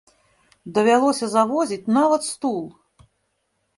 Давялося завозіць нават стул!